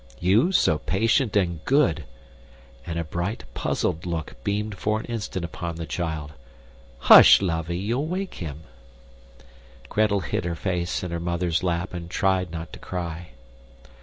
you so patient and good!" and a bright, puzzled look beamed for an instant upon the child. "Hush, lovey, you'll wake him." Gretel hid her face in her mother's lap and tried not to cry.